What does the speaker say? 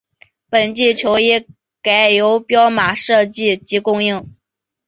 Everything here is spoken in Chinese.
本季球衣改由彪马设计及供应。